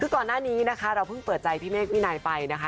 คือก่อนหน้านี้นะคะเราเพิ่งเปิดใจพี่เมฆวินัยไปนะคะ